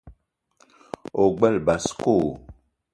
O gbele basko?